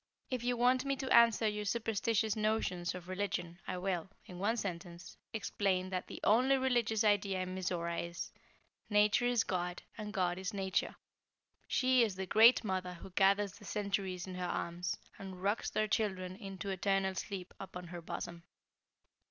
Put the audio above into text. "If you want me to answer your superstitious notions of religion, I will, in one sentence, explain, that the only religious idea in Mizora is: Nature is God, and God is Nature. She is the Great Mother who gathers the centuries in her arms, and rocks their children into eternal sleep upon her bosom."